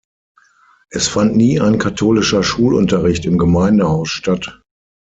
Es fand nie ein katholischer Schulunterricht im Gemeindehaus statt.